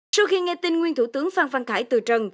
sau khi nghe tin nguyên thủ tướng phan văn khải từ trần